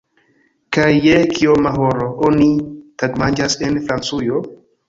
Kaj je kioma horo oni tagmanĝas en Francujo?